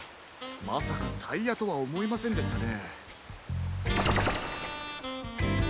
まさかタイヤとはおもいませんでしたね。